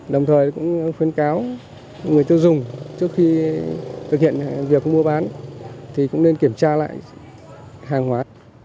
đồng thời cũng khuyến cáo người tiêu dùng trước khi thực hiện việc mua bán thì cũng nên kiểm tra lại hàng hóa